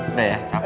udah ya capek